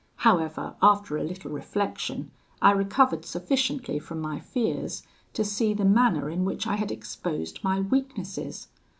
However, after a little reflection, I recovered sufficiently from my fears to see the manner in which I had exposed my weaknesses.